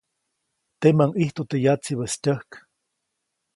Teʼmäʼuŋ ʼijtu teʼ yatsibäʼis tyäjk.